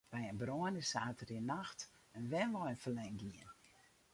By in brân is saterdeitenacht in wenwein ferlern gien.